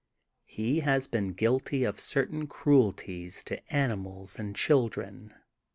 He has been guilty of certain cruelties to animals and children.